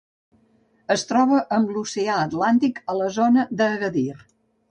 Es troba amb l'oceà Atlàntic a la zona d'Agadir.